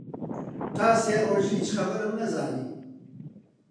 تا سێ ڕۆژ هیچ خەبەرم نەزانی